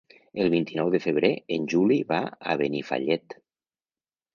El vint-i-nou de febrer en Juli va a Benifallet.